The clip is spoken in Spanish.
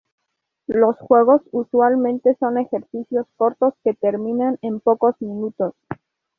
Los juegos usualmente son ejercicios cortos que terminan en pocos minutos.